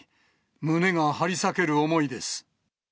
胸が張り裂ける思いです。